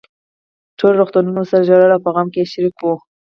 ټول روغتون ورسره ژړل او په غم کې يې شريک وو.